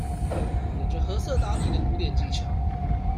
有著褐色打底的古典技巧